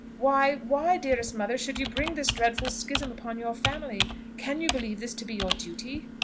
Why, why, dearest mother, should you bring this dreadful schism upon your family? Can you believe this to be your duty?"